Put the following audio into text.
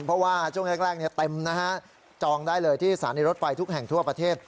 เพราะว่าช่วงแรกเต็มนะฮะจองได้เลยที่สถานีรถไฟทุกแห่งทั่วประเทศ